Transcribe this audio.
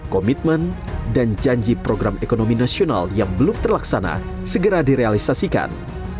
komitmen dan janji program ekonomi nasional yang belum terlaksana segera direalisasikan